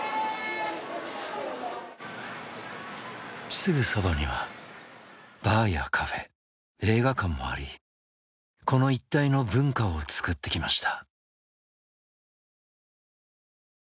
すぐそばにはバーやカフェ映画館もありこの一帯の文化をつくってきました。